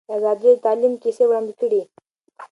ازادي راډیو د تعلیم کیسې وړاندې کړي.